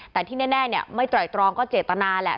แต่ที่แน่ไม่ไตรตรองก็เจตนาแหละ